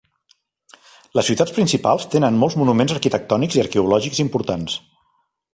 Les ciutats principals tenen molts monuments arquitectònics i arqueològics importants.